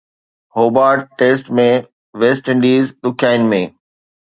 Hobart test ۾ West Indies ڏکيائين ۾